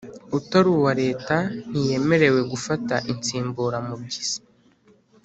utari uwa Leta ntiyemerewe gufata insimburamubyizi